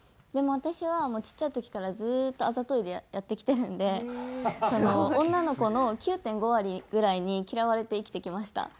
でも私はちっちゃい時からずっとあざといでやってきてるんで女の子の９．５割ぐらいに嫌われて生きてきました。